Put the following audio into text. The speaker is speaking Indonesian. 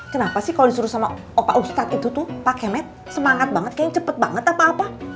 kenapa sih kalau disuruh sama opa ustadz itu tuh pakai med semangat banget kayaknya cepet banget apa apa